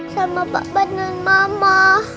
sama papa dan mama